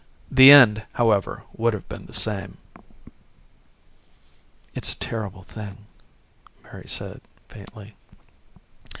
The end, however, would have been the same." "It's a terrible thing," Mary said faintly.